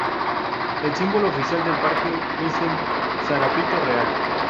El símbolo oficial del parque es el zarapito real.